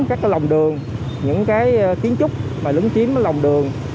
các lòng đường những cái kiến trúc lứng chiếm lòng đường